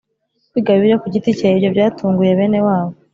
kwiga Bibiliya ku giti cye Ibyo byatunguye bene wabo